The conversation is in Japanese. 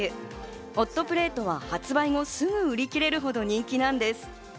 ホットプレートは発売後すぐ売り切れるほど人気なんです。